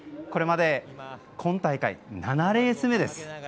これまで、今大会７レース目です。